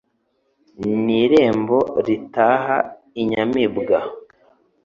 N' irembo ritaha inyamibwa